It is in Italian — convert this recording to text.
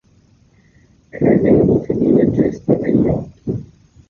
Credevo che mi leggeste negli occhi.